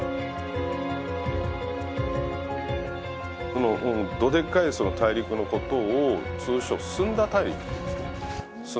このどでかい大陸のことを通称スンダ大陸っていうんです。